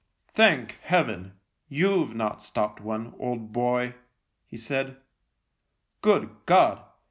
" Thank Heaven, you've not stopped one, old boy !" he said. " Good God